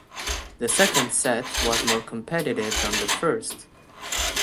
The second set was more competitive than the first.